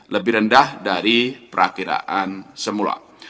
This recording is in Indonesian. lebih rendah dari perakiraan semula